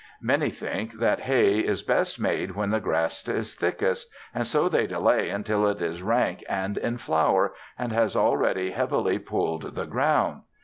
Many think that hay is best made when the grass is thickest; and so they delay until it is rank and in flower, and has already heavily pulled the ground.